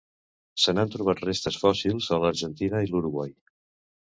Se n'han trobat restes fòssils a l'Argentina i l'Uruguai.